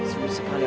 ayo culi itu buatu